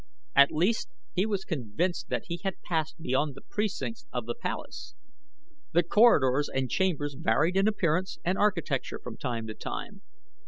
At least he was convinced that he had passed beyond the precincts of the palace. The corridors and chambers varied in appearance and architecture from time to time.